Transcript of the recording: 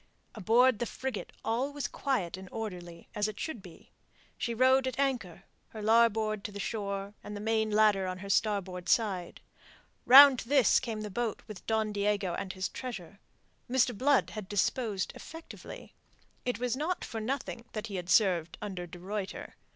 Aboard the frigate all was quiet and orderly as it should be. She rode at anchor, her larboard to the shore, and the main ladder on her starboard side. Round to this came the boat with Don Diego and his treasure. Mr. Blood had disposed effectively. It was not for nothing that he had served under de Ruyter.